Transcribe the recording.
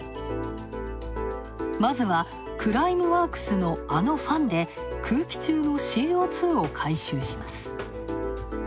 まずは、クライムワークスのあのファンで、空気中のＣＯ２を回収します。